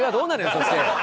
そして。